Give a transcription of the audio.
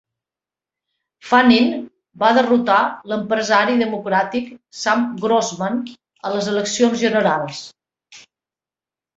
Fannin va derrotar l"empresari democràtic Sam Grossman a les eleccions generals.